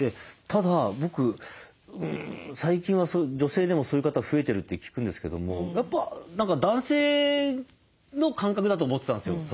ただ僕最近は女性でもそういう方増えてるって聞くんですけどもやっぱ何か男性の感覚だと思ってたんですよ。